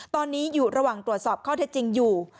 ตอนนี้อยู่ระหว่างตรวจสอบข้อเท็จจริงอยู่